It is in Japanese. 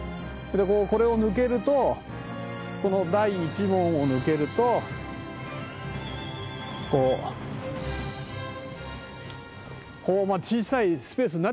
これを抜けるとこの第一門を抜けるとこう小さいスペースになっちゃうわけよ。